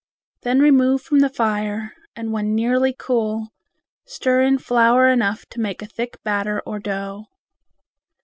Then remove from the fire, and when nearly cool stir in flour enough to make a thick batter or dough.